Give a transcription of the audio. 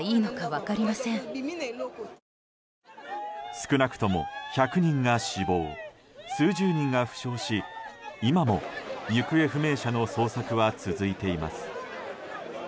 少なくとも１００人が死亡数十人が負傷し今も行方不明者の捜索は続いています。